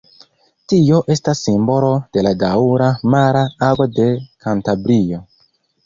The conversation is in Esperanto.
Tio estas simbolo de la daŭra mara ago de Kantabrio.